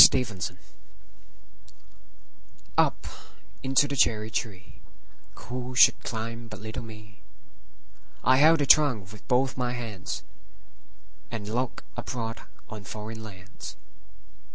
9. Foreign Lands UP into the cherry treeWho should climb but little me?I held the trunk with both my handsAnd looked abroad on foreign lands.